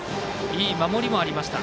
いい守りもありました。